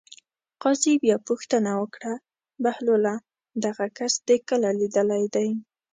قاضي بیا پوښتنه وکړه: بهلوله دغه کس دې کله لیدلی دی.